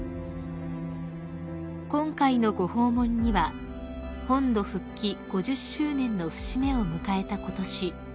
［今回のご訪問には本土復帰５０周年の節目を迎えたことし